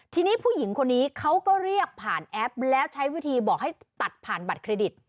ทีนี้ผู้หญิงคนนี้เขาก็เรียกผ่านแอปแล้วใช้วิธีบอกให้ตัดผ่านบัตรเครดิต